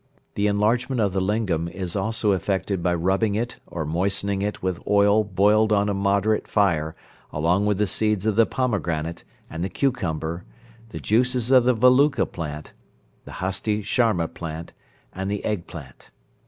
The enlargement of the lingam is also effected by rubbing it or moistening it with oil boiled on a moderate fire along with the seeds of the pomegranate, and the cucumber, the juices of the valuka plant, the hasti charma plant, and the egg plant.